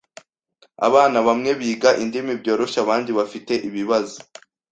Abana bamwe biga indimi byoroshye abandi bafite ibibazo.